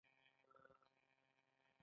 د شمال وچکالي خلک ولې کډوال کوي؟